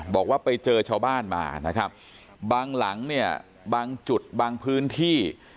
บอกว่าไปเจอชาวบ้านมานะครับบางหลังเนี่ยบางจุดบางพื้นที่